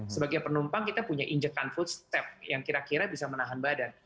sebagai penumpang kita punya injekan food step yang kira kira bisa menahan badan